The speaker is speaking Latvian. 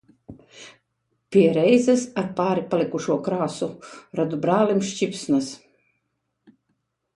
Pie reizes ar pāri palikušo krāsu radu brālim sķipsnas.